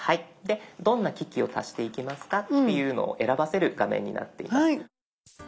どんな機器を足していきますかっていうのを選ばせる画面になっています。